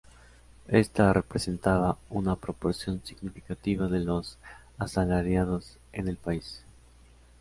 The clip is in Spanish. Ésta representaba una proporción significativa de los asalariados en el país.